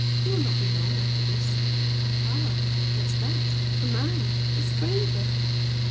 He will not be long after this. Ah! What's that? A man! A stranger!"